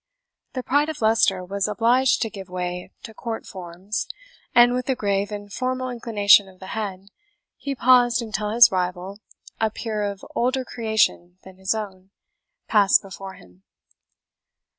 The pride of Leicester was obliged to give way to court forms, and with a grave and formal inclination of the head, he paused until his rival, a peer of older creation than his own, passed before him.